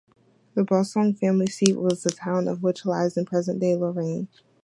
The Bossong family seat was in the town of which lies in present-day Lorraine.